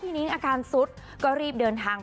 นิ้งอาการสุดก็รีบเดินทางไป